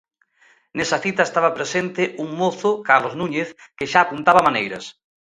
Nesa cita estaba presente un mozo Carlos Núñez, que xa apuntaba maneiras.